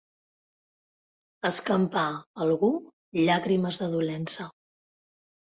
Escampar, algú, llàgrimes de dolença.